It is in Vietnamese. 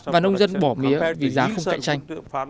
và nông dân bỏ mía vì giá không cạnh tranh